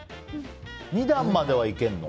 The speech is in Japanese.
２段まではいけるの？